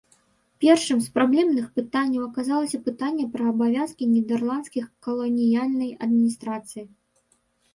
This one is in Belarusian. Першым з праблемных пытанняў аказалася пытанне пра абавязкі нідэрландскай каланіяльнай адміністрацыі.